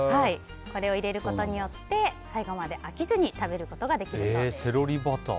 これを入れることによって最後まで飽きずに食べることができるそうです。